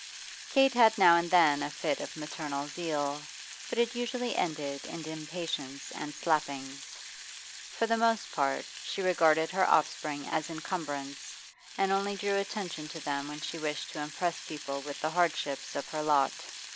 Kate had now and then a fit of maternal zeal, but it usually ended in impatience and slappings; for the most part she regarded her offspring as encumbrance, and only drew attention to them when she wished to impress people with the hardships of her lot.